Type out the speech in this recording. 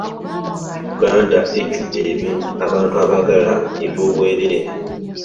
Yuganda ejjudde abantu abaagala eby'obwereere.